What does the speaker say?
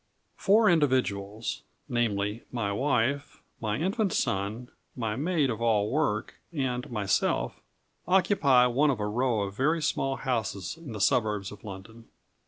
Four individuals namely, my wife, my infant son, my maid of all work, and myself occupy one of a row of very small houses in the suburbs of London.